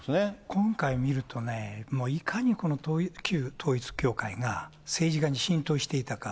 今回見るとね、いかに旧統一教会が政治家に浸透していたか。